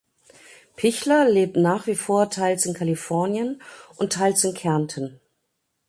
Pichler lebt nach wie vor teils in Kalifornien und teils in Kärnten.